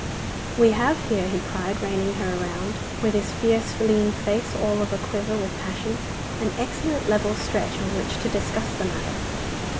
'We have here,' he cried, reining her round, with his fierce lean face all of a quiver with passion, 'an excellent level stretch on which to discuss the matter.